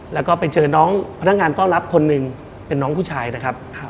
แล้วก็ไปเจอน้องพนักงานต้อนรับคนหนึ่งเป็นน้องผู้ชายนะครับ